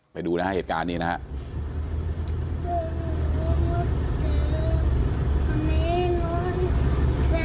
ไปดูนะฮะเหตุการณ์นี้นะครับ